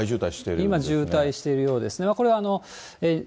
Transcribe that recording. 今、渋滞してるようですね。